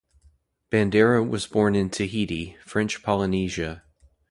Bandera was born in Tahiti, French Polynesia.